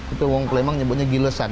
itu memang disebutnya gilesan